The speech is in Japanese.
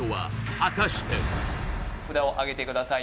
果たして札をあげてください